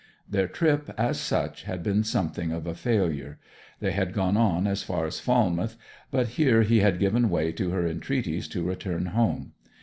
Their trip, as such, had been something of a failure. They had gone on as far as Falmouth, but here he had given way to her entreaties to return home.